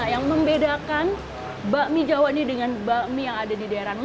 yang membedakan bakmi jawa ini dengan bakmi yang ada di daerah ini